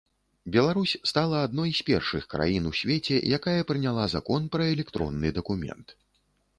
Беларусь стала адной з першых краін у свеце, якая прыняла закон пра электронны дакумент.